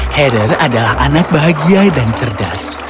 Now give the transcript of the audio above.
heather adalah anak bahagia dan cerdas